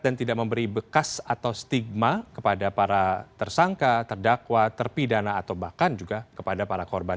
dan tidak memberi bekas atau stigma kepada para tersangka terdakwa terpidana atau bahkan juga kepada para korban